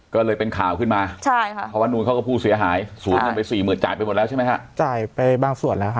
ก็เลยเป็นข่าวขึ้นมาใช่ค่ะเพราะวันนู้นเขาก็พูดเสียหายสูงต้นไปสี่หมื่นจ่ายไปหมดแล้วใช่ไหมค่ะ